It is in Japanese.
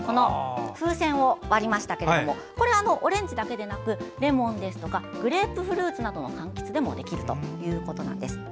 風船を割りましたがこれ、オレンジだけじゃなくレモンでやグレープフルーツなどかんきつでもできるということです。